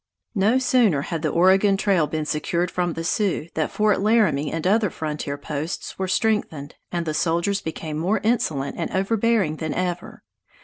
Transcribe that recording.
No sooner had the Oregon Trail been secured from the Sioux than Fort Laramie and other frontier posts were strengthened, and the soldiers became more insolent and overbearing than ever.